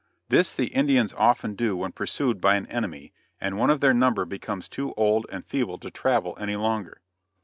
This the Indians often do when pursued by an enemy, and one of their number becomes too old and feeble to travel any longer.